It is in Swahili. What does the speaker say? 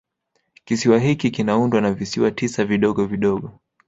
Kisiwa hiki kinaundwa na visiwa tisa vidogo vidogo